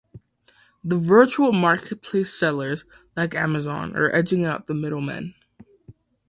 The virtual marketplace sellers like Amazon are edging out the middlemen.